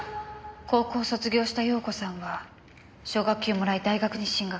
高校を卒業した容子さんは奨学金をもらい大学に進学。